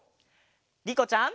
りこちゃん。